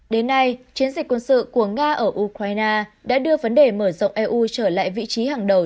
đến nay chiến dịch quân sự của nga ở ukraine đã đưa vấn đề mở rộng eu trở lại vị trí hàng đầu